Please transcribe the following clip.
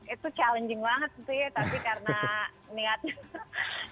itu challenging banget sih